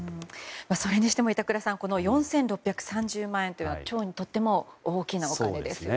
それにしても板倉さん４６３０万円というのは町にとっても大きなお金ですよね。